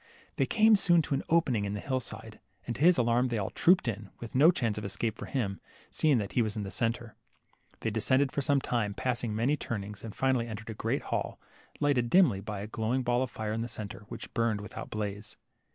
They came soon to an opening in the hill side, and to his alarm they all trooped in, with no chance of escape for him, seeing that he was in the centre. They descended for some time, passing many turnings, and finally entered a great hall, lighted dimly by a glowing ball of fire in the centre, which burned with out blaze.